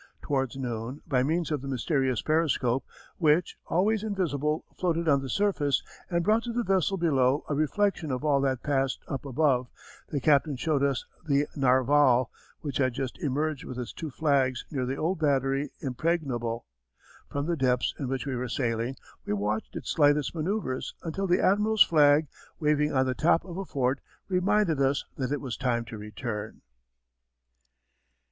Towards noon, by means of the mysterious periscope, which, always invisible, floated on the surface and brought to the vessel below a reflection of all that passed up above, the captain showed us the Narval, which had just emerged with its two flags near the old battery Impregnable. From the depths in which we were sailing we watched its slightest manoeuvres until the admiral's flag, waving on the top of a fort, reminded us that it was time to return.